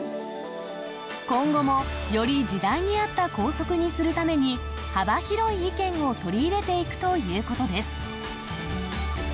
今後もより時代に合った校則にするために、幅広い意見を取り入れていくということです。